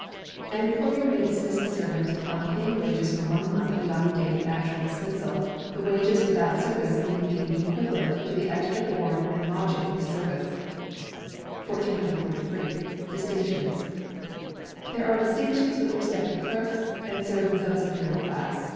An employer may dismiss a servant upon paying wages for one month beyond the date of actual dismissal, the wages without service being deemed equivalent to the extra board and lodging with service. 1443. Distinctions. There are Distinctions with respect to clerks, and servants of a superior class.